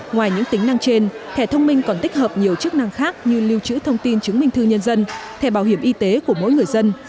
ngoài những tính năng trên thẻ thông minh còn tích hợp nhiều chức năng khác như lưu trữ thông tin chứng minh thư nhân dân thẻ bảo hiểm y tế của mỗi người dân